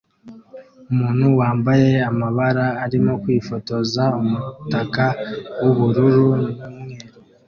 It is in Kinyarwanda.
Umuntu wambaye amabara arimo kwifotoza umutaka w'ubururu n'umweru